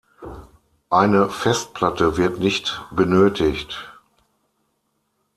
Eine Festplatte wird nicht benötigt.